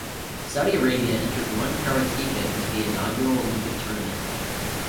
Saudi Arabia entered one karateka into the inaugural Olympic tournament.